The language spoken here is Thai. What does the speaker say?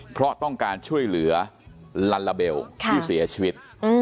เพราะต้องการช่วยเหลือลัลลาเบลที่เสียชีวิต